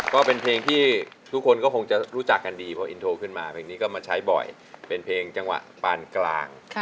ก็เป็นเพลงที่ทุกคนก็คงจะรู้จักกันดีพออินโทรขึ้นมาเพลงนี้ก็มาใช้บ่อยเป็นเพลงจังหวะปานกลาง